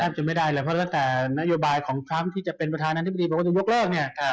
จนไม่ได้เลยเพราะตั้งแต่นโยบายของทรัมป์ที่จะเป็นประธานาธิบดีบอกว่าจะยกเลิกเนี่ย